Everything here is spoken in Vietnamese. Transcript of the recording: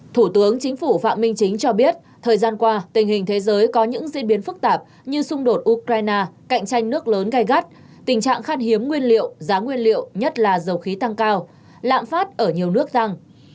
thủ tướng chính phủ phạm minh chính cho biết thời gian qua tình hình thế giới có những diễn biến phức tạp như xung đột ukraine cạnh tranh nước lớn gai gắt tình trạng khan hiếm nguyên liệu giá nguyên liệu nhất là dầu khí tăng cao lạm phát ở nhiều nước tăng